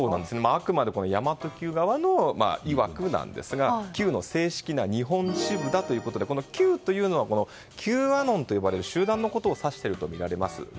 あくまで神真都Ｑ側いわくですがＱの正式な日本支部ということでＱというのはＱアノンと呼ばれる集団を指しているとみられます。